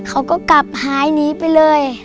เขาก็กลับหายหนีไปเลย